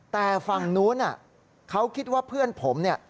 แต่ฝั่งนู้นเขาคิดว่าเพื่อนผมเนี่ย